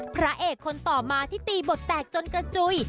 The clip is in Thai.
พระเอกคนต่อมาที่ตีบทแตกจนกระจุย